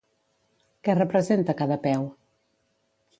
Què representa cada peu?